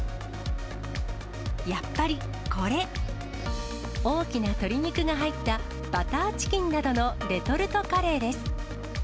やっぱり、これ、大きな鶏肉が入ったバターチキンなどのレトルトカレーです。